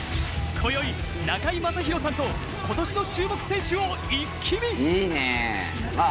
今宵、中居正広さんと今年の注目選手を一気見。